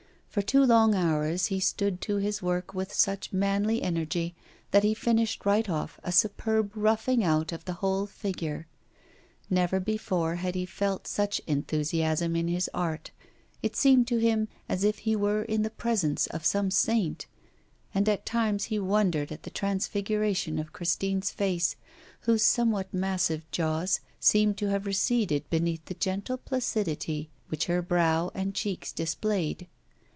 For two long hours he stood to his work with such manly energy that he finished right off a superb roughing out of the whole figure. Never before had he felt such enthusiasm in his art. It seemed to him as if he were in the presence of some saint; and at times he wondered at the transfiguration of Christine's face, whose somewhat massive jaws seemed to have receded beneath the gentle placidity which her brow and cheeks displayed.